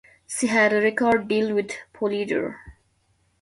She had a record deal with Polydor.